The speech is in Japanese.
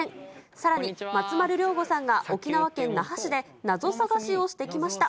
さらに、松丸亮吾さんが、沖縄県那覇市でナゾ探しをしてきました。